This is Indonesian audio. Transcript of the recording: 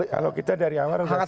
kalau kita dari awal sudah serius